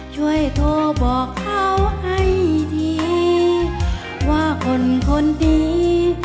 ช่วยโทรบอกเขาให้ดีว่าคนคนดี